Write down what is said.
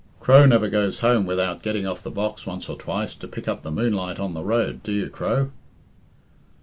"Crow never goes home without getting off the box once or twice to pick up the moonlight on the road do you, Crow?"